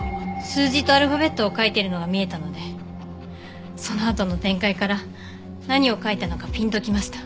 数字とアルファベットを書いてるのが見えたのでそのあとの展開から何を書いたのかピンときました。